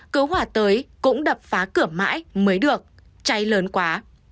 cứu hỏa tới cũng đập phá cửa mãi mới được cháy lớn quá